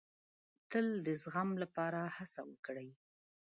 تل د زغم لپاره هڅه وکړئ.